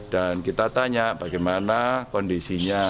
kita tanya bagaimana kondisinya